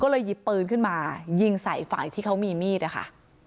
ก็เลยหยิบปืนขึ้นมายิงใส่ฝ่ายที่เขามีมีดนะคะ